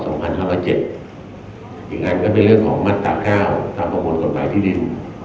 อย่างนั้นก็เป็นเรื่องของมาตรา๙ตามประมวลกฎหมายที่ดิน